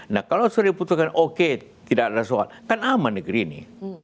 nah kalau sudah diputuskan oke tidak ada soal kan aman negeri ini